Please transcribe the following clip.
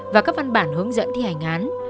và các văn bản hướng dẫn thi hành án